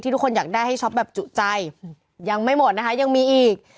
ทุกคนอยากได้ให้ช็อปแบบจุใจยังไม่หมดนะคะยังมีอีก